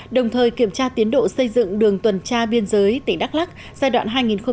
đồng thời kiểm tra tiến độ xây dựng đường tuần tra biên giới tỉnh đắk lắc giai đoạn hai nghìn một mươi tám hai nghìn hai mươi